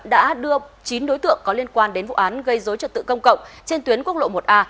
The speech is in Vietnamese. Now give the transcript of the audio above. đã đưa chín đối tượng có liên quan đến vụ án gây dối trật tự công cộng trên tuyến quốc lộ một a